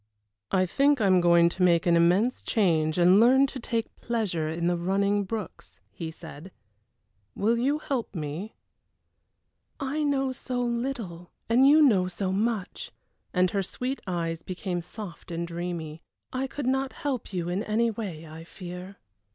"I think I am going to make an immense change and learn to take pleasure in the running brooks," he said. "Will you help me?" "I know so little, and you know so much," and her sweet eyes became soft and dreamy. "I could not help you in any way, I fear."